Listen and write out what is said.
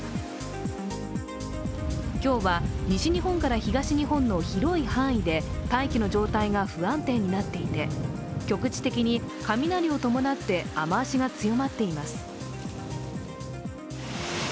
今日は西日本から東日本の広い範囲で大気の状態が不安定になっていて局地的に雷を伴って雨足が強まっています。